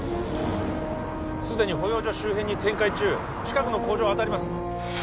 すでに保養所周辺に展開中近くの工場を当たります